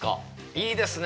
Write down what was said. いいですね。